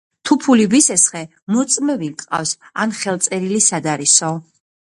თუ ფული ვისესხე, მოწმე ვინ გყავს, ან ხელწერილი სად არისო